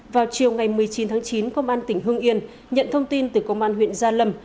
vào chiều ngày một mươi chín tháng chín công an tỉnh hương yên nhận thông tin từ công an huyện gia lâm